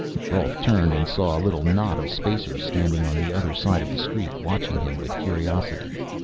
Rolf turned and saw a little knot of Spacers standing on the other side of the street, watching him with curiosity.